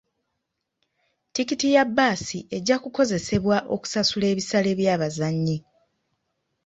Tikiti ya bbaasi ejja kukozesebwa okusasula ebisale by'abazannyi .